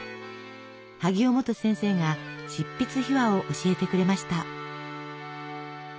萩尾望都先生が執筆秘話を教えてくれました。